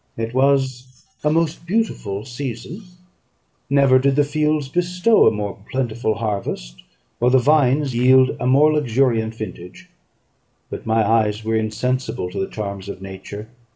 It was a most beautiful season; never did the fields bestow a more plentiful harvest, or the vines yield a more luxuriant vintage: but my eyes were insensible to the charms of nature.